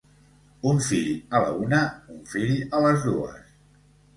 Un fill a la una, un fill a les dues.